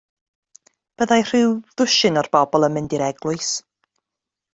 Byddai rhyw ddwsin o'r bobl yn mynd i'r eglwys.